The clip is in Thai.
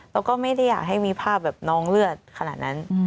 แล้วก็ไม่ได้อยากให้มีภาพแบบน้องเลือดขนาดนั้น